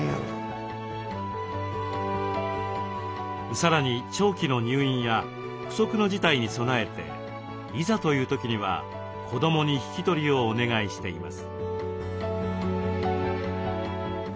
さらに長期の入院や不測の事態に備えていざという時には子どもに引き取りをお願いしています。